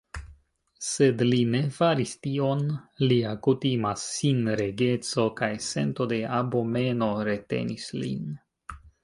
Sed li ne faris tion; lia kutima sinregeco kaj sento de abomeno retenis lin.